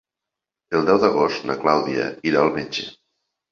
El deu d'agost na Clàudia irà al metge.